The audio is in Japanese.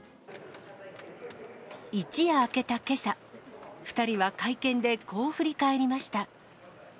一夜明けたけさ、２人は会見で、こう振り返りました。